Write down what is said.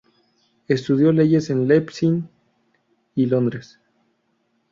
Estudió leyes en Leipzig y Londres.